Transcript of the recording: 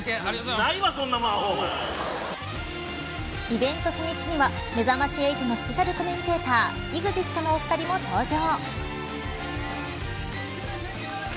イベント初日にはめざまし８のスペシャルコメンテーターＥＸＩＴのお二人も登場。